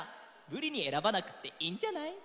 むりにえらばなくっていいんじゃない？